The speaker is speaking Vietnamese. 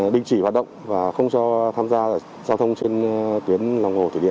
đình chỉ hoạt động và không cho tham gia giao thông trên tuyến lòng hồ thủy điện